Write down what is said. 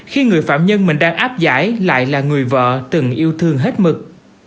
khi người phạm nhân mình đang áp giải lại là người vợ từng yêu thương hết mực